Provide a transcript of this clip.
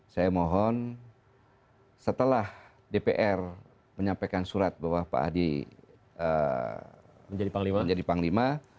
saya mohon setelah dpr menyampaikan surat bahwa pak hadi menjadi panglima